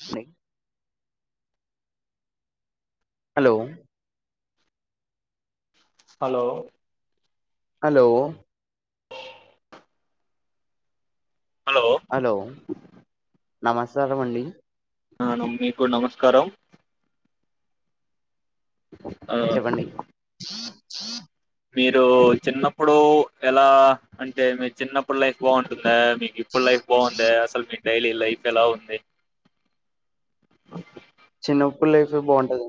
స్నె hello hello hello hello నమస్కారం అండి అవును మీకు నమస్కారం ఆ చెప్పండి హ మీరు చిన్నప్పుడు ఎలా అంటే మీ చిన్నప్పుడు లైఫ్ బాగుంటుంది మీకు ఇప్పుడు లైఫ్ బాగుంద అసలు మీ డైలీ లైఫ్ ఎలా ఉంటయ్ చిన్నప్పుడు లైఫే బాగుంటది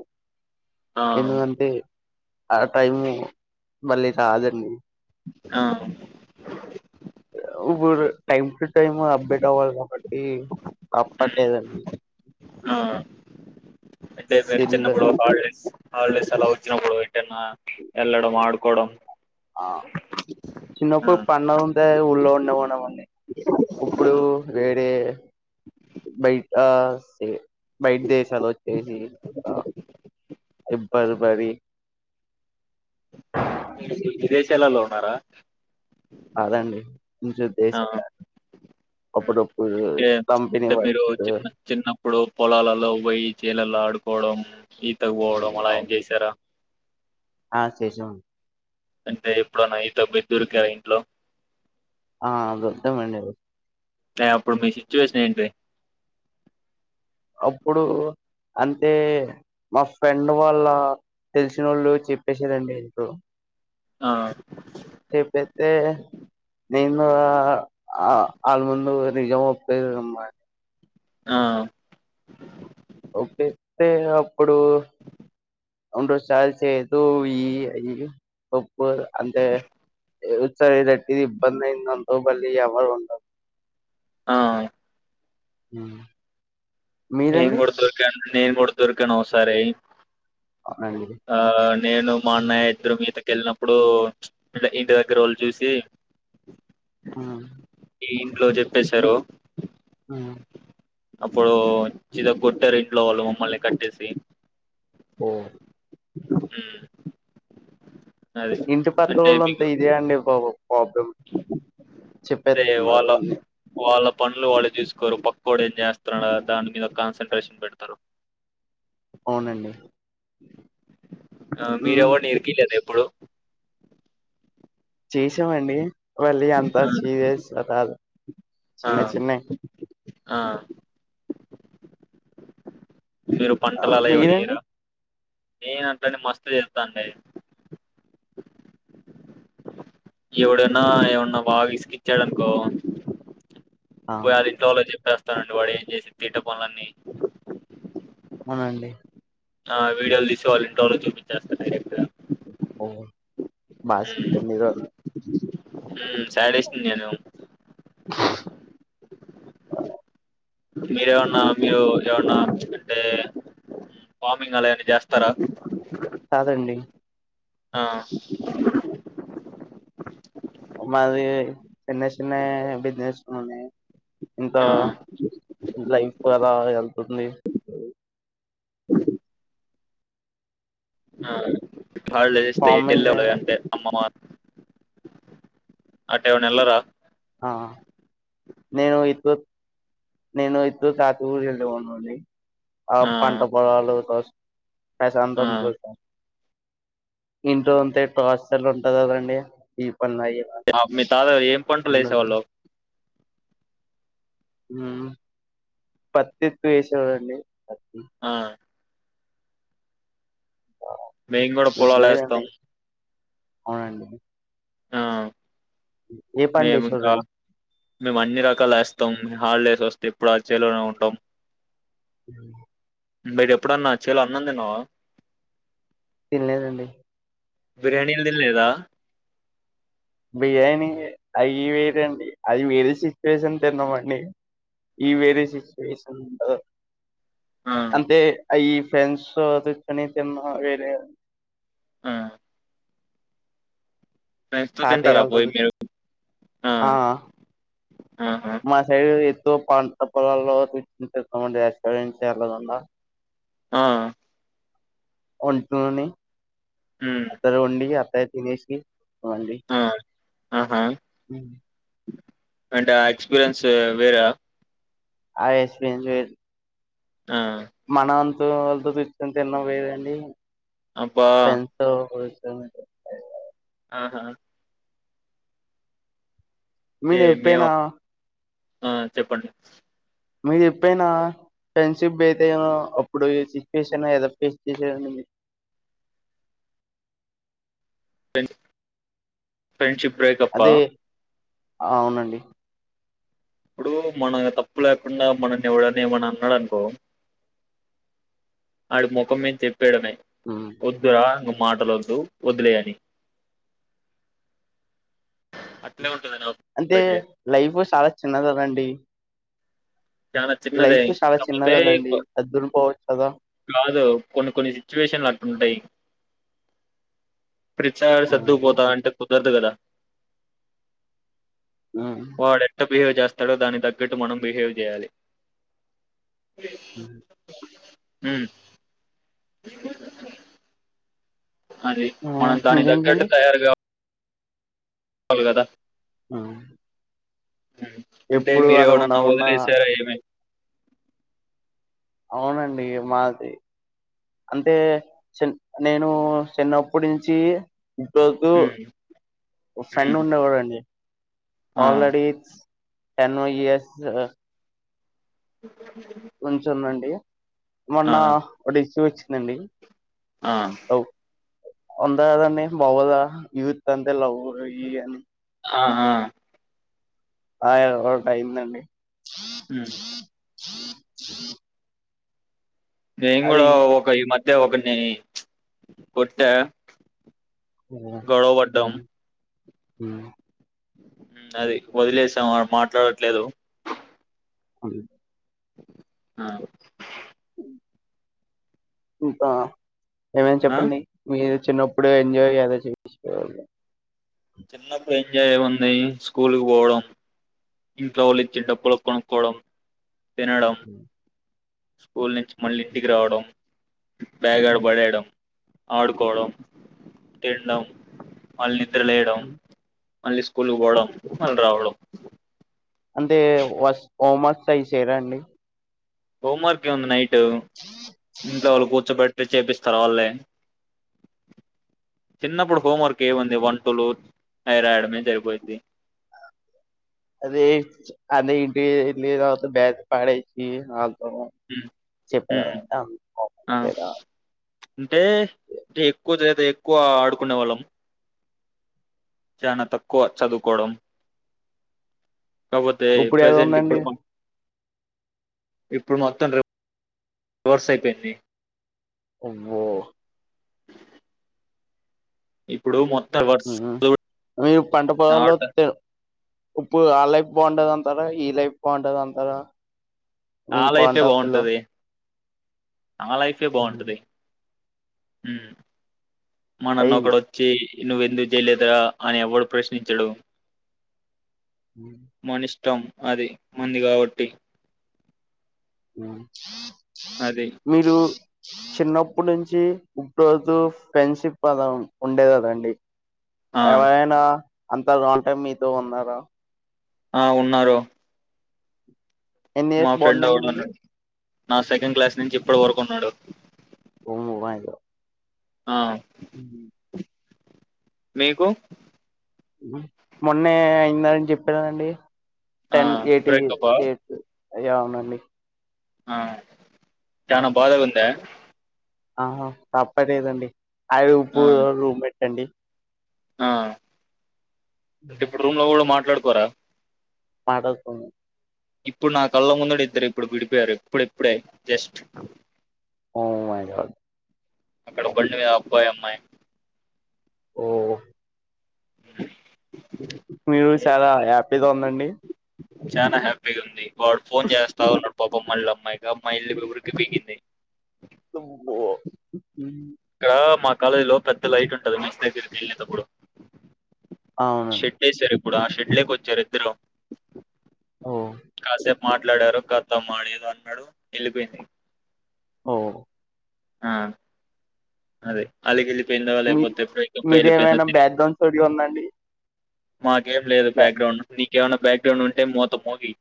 ఆ ఎందుకంటే ఆ టైము మళ్ళీ రాదండి ఆ వుబుడు టైం టు టైం అప్డేట్ అవ్వాలి కాబట్టి తప్పట్టేదండి ఆ అంటే మీరు సెల్లు చిన్నప్పుడు హాలిడేస్ హాలిడేస్ అలా వచ్చినప్పుడు ఎటన్నా వెళ్ళడం ఆడుకోవడం ఆ చిన్నప్పుడు పండ కే ఊళ్ళో ఉండమనమండి ఇప్పుడు వేరే బయట బయట దేశాలు వచ్చేసి ఇక [unintelligible] ఆ విదేశాలలో ఉన్నారా కాదండి ఆ ఉమ్. [unintelligible] అప్పుడప్పుడు అంటే కంపెనీ వర్క్స్ ఇప్పుడు పొలాలలో పోయి చేలల్లో ఆడుకోవడం ఈతకు పోవడం అలా అవును ఏం చేశారా ఆ చేశామ్ అండి అంటే ఎప్పుడన్న ఈతకి పొయ్ దొరికార ఇంట్లో ఆ దొరికామండి అంటే అప్పుడు మీ సిచ్యువేషన్ ఏంది అప్పుడు అంటే మా ఫ్రెండ్ వాళ్ళ తెలిసినోళ్లు చెప్పేశారు అండి ఇంట్లో ఆ చెప్పేత్తే నేను ఆళ్ళ ముందు నిజం ఒప్పే అనమాట ఆ ఒప్పేత్తే ఇనం ప్పుడు అంటే సాల్ సేతు ఈ ఈ ఒ ప్పుడ్ అంటే ఏసారి రటిది ఇబంద ధయ్దనుకో మలి ఎవరు ఉండర్ ఆ హ నేను కూడా చూశాను నేను కూడ దొరికాను ఓ సారి అవునండి. ఆ నేను హ్మ్. మాన్నయ్య ఇద్దరం ఈతకీ కెళ్ళినప్పుడు ఇంటి దగ్గర వోళ్ళు చూసి ఆ ఇంట్లో చెప్పేశారు ఆ అప్పుడు చిద కొట్టారు ఇంట్లో వాళ్ళు మమ్మల్ని కట్టేసి ఆ ఊ ఇంటి పత్ర రోళంతా ఇదే అండి బాబు పాపం అంటే చిపెత్ వాళ్ళ అదవన్ని వాళ్ళ పనులు వాళ్ళు చూసుకోరు పక్కోడు ఏం చేస్తున్న దాని మీద కాన్సన్ట్రేషన్ పెడతారు అవునండి ఆ మ్మ్. మీరేవనిర్కిల ఎప్ ప్పుడు చేసామండి మళ్ళీ అంతా ఆ చసేస్త రాదు ఆ చిన్న చిన్న ఆ మీరు పంటలు అలా ఏవన ఏయర మీరండి నేన అట్లనే మస్తు చేస్తాండి ఎవడైన్నా ఏమన్నా బాగా ఇసుకిచ్చాడనుకో ఆ, పోయ అల ఇంట్లో వాళ్ళ చెప్పేస్ తానండి వాడు ఏం చేసిండు తీట పనులన్నీ అవునండి ఆ వీడియోలు తీసి వాళ్ళ ఇంట్లో వాళకు చూపించెస్త డైరెక్ట్గా ఓ మాస్ పెళ్లిగారు ఊ సడేసును నేను [unintelligible] మీరేమన్నా మీరు ఎవన్న అంటే వాార్మింగ్ అలా ఏమన్నా చేస్తారా కాదండి ఆ [unintelligible] మాది చిన్న చిన్న బిజినెస్ ఉ ఇంత ఆ లైఫ్ అదా ఒక్ లీ ఆ బాళ ఇస్త కామన్ పెళ్ళోలా అంతే అమ్మమ్ మా అట్టేవన్ ఎలార ఆ నేను ఇప్పు నేను ఇప్పు తాత ఊరు వెళ్ళ ఉనండి ఆ పంట పొలలు పశ్ పైసలంత ఆ [unintelligible] ఇంట్లో ఉంటె టార్చర్ ఉంటది కదండి పనులు అయ్యి మీ తాత ఏం పంట ఉండదు లేసేవాలు పత్తి ఎఎక్కువ ఏసేవాడండి ఆ మేము గుడా ఇప్పుడు లేదండి పొలలేస్తాం అవునండి ఆ ఏ పంట మేము ఇంకా వేసేవారండి మేము అన్ని రకాల ఏస్తాం మొత్తం హల్డేస్ వస్తే ఎప్పుడు ఆ చేలోనే ఉంటాం హ్మ్ మీరెప్పుడన్నా చేల అన్నం తిన్నావ తిన్ లేదండి బిర్యానీలు తినలేదా బియానీ అవి వేరండి అది వేరే సిచ్యువేషన్ తిన్నామండి. ఈ వేరే ఆ సిచ్యువేషన్ [unintelligible] ఆ అంతే ఆ ఈ ఫ్రెండ్స్ తెచ్చుకొని తిన్న వేరే ఆ ఫ్రెండ్స్ తో కాతే తింటారా పోయి కాల్తది మీరు ఆ ఆహా మా సైడులేద్ పంట పొలాల్లో [unintelligible] ఆ వొంటోని ఉమ్ అతర వోండి అత్తే తినేసి వండి ఆ ఆహా హ్మ్ అంటే ఆ ఎక్స్పీరియన్స్ వేర ఆ ఎక్స్‌పీన్స్యూ వేరు ఆ వాళ్ళతో తిట్లు తిన్నమెయండి. అబ్బా ఫ్రెండ్స్ తో [unintelligible] ఆహా మీ ఏ మేము నెప్పేనా ఆ చెప్పండి మీరు చెప్పయినా ఫ్రెండ్షిప్ డే అయితే అ అప్పుడు ఈ సిచ్యుయేషన్దో ఫేస్ చేస ఫ్రడ్ ఫ్రెండ్షిప్ బ్రేక్ అప్ హా అదే అవునండి ఇప్పుడు మన తప్పు లేకుండా మనని ఎవ్వడనిమని అన్నాడు అనుకో ఆడు మొఖం మీద జెప్పి పేడమే ఉమ్. వాద్దను మాటలు వోద్దు వద్దులేయని అట్లే ఉం అంటే లైఫ్ చాలా చిన్నది గాదండి. చానా చిన్నదే చాలా కాకపోతే చిన్నది కదండి సర్దుకుని పోవచ్చు కదా కాదు. కొన్ని కొన్ని సిచ్యువేషన్లు అట్ల ఉంటాయి ప్రతీ సారి అవునండి సర్దుకుపోతాను అంటే కుదరదు గాదా ఆ బిహేవ్ చేస్తడో దానీకి తగ్గటు మనం బిహేవ్ చేయాలి హ్ హ్ అది ఆ మనం దాని తగ్గట్టు ఇదేంటండి తయారు గావ కొల్ కత్త ఆ అంటే మీరూ ఎవడన్నా ఉండకుండా వదిలేసారా ఏమీ అవునండి. మాది అంటే చి నేను చిన్నప్పటి నుంచి ఇన్నీ రోజులు ఉమ్, ఒక ఫ్రెండ్ ఉమ్, ఉండే వాడండి. ఆ, ఆల్రెడీ కనీ నువ్వూ యస్ ఉంచ నండి మొన్న ఆ, ఒక ఇష్యూ వచ్చి నండి ఆ ఒందదని బవదా యూత్ అంతే లవ్ ఈ అని ఆ ఆ ఆవ ఒకటి అయిందండి హ్ హ నేను కూడా ఒక ఈ మధ్య [unintelligible] ఒకన్నీ కొట్ట [unintelligible] ఆ హ్ అది వదిలేసాం అడు మాట్లాడట్లేదు. ఐ ఆ ఇంకా ఏమేనా ఆ? చెప్పండి మీరు చిన్నప్పుడు ఎంజాయ్ చేద చే చిన్నప్పుడు ఎంజాయ్ ఎం ఉంది స్కూల్కి పోవడం, ఇంట్లో వాళ్ళ ఇచ్చి డబ్బులు కొనుక్కోవడం తినడం స్కూల్ నుంచి మళ్ళీ ఇంటికి రావడం బ్యాగ్ అడా పడేయడం ఆడుకోవడం తినడం అళ్ళిన్ ద్ర లేయడం మళ్ళీ స్కూల్కి పోవడం మళ్ళీ రావడం అంటే వ హోమస్ ట్రై చేయరా అండి హోమ్వార్క్ ఏముంది నైట్ ట్టేవ్ ఇంట్లో వాళ్ళు కూర్చోబెట్ లేద్ చేపిస్తారు ఆళ్ళే చిన్నప్పుడు హోం వర్క్ ఏముంది వన్ టూలు హై రాయడమే జరిపోద్ది. అరేయ్ ఆ నే ఇంటివోయి నీళ్ళు తాగొత్తా [unintelligible] ఆ ఉమ్, ఉమ్, చెప్పదంట ఆ ఆ వేదా అంటే ఎక్కువ జేత ఎక్కువ ఆడుకునే వాళ్ళం చనా తక్కువ చదువుకోవడం కాకపోతే ఇప్పుడు ఏదో ప్రజెంట్ ఉందండి ఇప్పుడు ఇప్పుడు మొత్తం రి వర్స్ అయిపోయింది అబ్బో ఇప్పుడు మొ ఆ మీ పంట పొలాల్లో తె ఇప్పు ఆ లైఫ్ బాగుంటది అంటారా ఈ లైఫ్ బాగుంటది అంటారా మీ ఆ లైఫే పాయింట్ ఆఫ్ వ్యూ లో బాగుంటది అ లైఫే బాగుంటది హ్మ్ అయి మనన్న ఒక్కడు వచ్చి నువ్వెందుకు జేయలేదరా అని ఎవడు ప్రశ్నించడు హ్మ్ మన ఇష్టం అది మన్ది కాబట్టి అ అది మీరు చిన్నప్పుడు నుంచి ఇప్పుడో జూ ఫ్రెండ్షిప్ పదం ఉండేద్ కదండి ఆ ఎవరైనా అంత లాంగ్ టైమ్ మీతో ఉన్నారా ఆ ఉన్నారు ఎన్ని మా ఇయర్స్ బాండ్ ఫ్రెండ్ అండి మీది ఓడున్నడు నా సెకండ్ క్లాస్ నుంచి ఇప్పడు వరకున్నడు ఓ మై గా ఆ హ్మ్ మీకు మొన్నే అయిందని జెప్పా కదండి ఆ టెన్ ఎయిటీ బ్రేకప్ ఎయిట్ అయ్య అవునండి ఆ ఆ చానా బాధగుంద్య ఆహా తప్పదేదండి ఆ [unintelligible] రండి ఆ అంటే ఇప్పుడు రూమ్ లో కూడా మా మాట్లాడుకోరా పడకు ఇప్పుడు నా కళ్ళ ముందడు ఇద్దరు ఇప్పుడు విడిపోయారు ఇప్పుడుప్పుడే జస్ట్ ఓ మై గాడ్ అక్కడ ఒక్కలే అబ్బాయి అమ్మాయి ఓ అ మీరు చాలా హ్యాపీగా ఉందండి చాలా హ్యాపీగా ఉంది వాడు ఫోన్ చేస్తా ఉ పాపం మల్ల [unintelligible] దిగింది ఓ హ్మ్. [unintelligible] మా కాలేజీలో పెద్ద లైట్ ఉంటుంది మెస్ దగ్గరికి వెళ్ళేటప్పుడు అవునండి షుడ్ యేరు ఇప్పుడు ఆ షుడ్ లోకి వచ్చారు ఇద్దరు ఓ కాసే మాట్లాడారు కత [unintelligible] అన్నాడు వెళ్ళిపోయింది ఓ ఆ అదే అలిగి వెళ్ళిపోయింది మీ లేకపోతే బ్రేక్ అప్ అయి వెళ్ళిపోయింది మీదేమైనా తెలియద్ బ్యాక్గ్రౌండ్ స్టోరీ ఉందండి మాకేం లేదు బ్యాక్గ్రౌండ్ నీ ఏమనా బ్యాక్గ్రౌండ్ ఉంటే మూత మోగి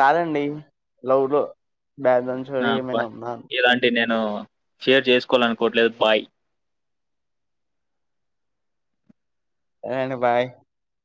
కాదండి లవ్ లో బ్యాక్గ్రౌండ్ స్టోరీ ఏమైనా ఉన్నా నే షేర్ చేసుకోవాలనుకోవట్లేదు బాయ్ [unintelligible] బాయ్